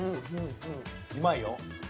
うまいよ。